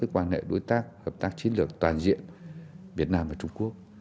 quan hệ đối tác hợp tác chiến lược toàn diện việt nam và trung quốc